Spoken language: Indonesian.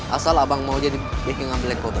asal abang mau jadi bkm black bobo